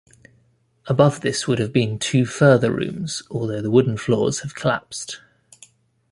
Above this would have been two further rooms, although the wooden floors have collapsed.